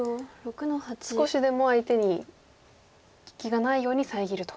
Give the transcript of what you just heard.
少しでも相手に利きがないように遮ると。